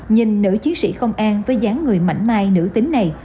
nhìn nữ chiến sĩ công an với dán người mảnh mai nữ tính này